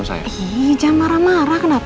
oh sih dia masih dalam